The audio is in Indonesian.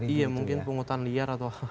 iya mungkin penghutang liar atau apa